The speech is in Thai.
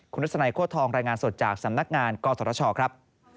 คุณทัศนัยโค้ทองรายงานสดจากสำนักงานกศชครับ